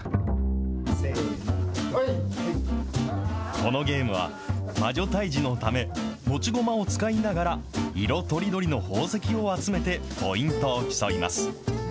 このゲームは、魔女退治のため、持ち駒を使いながら色とりどりの宝石を集めて、ポイントを競います。